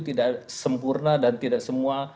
tidak sempurna dan tidak semua